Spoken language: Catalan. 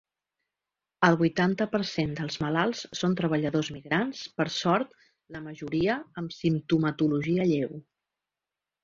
El vuitanta per cent dels malalts són treballadors migrants, per sort, la majoria amb simptomatologia lleu.